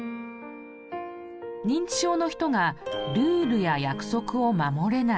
認知症の人がルールや約束を守れない。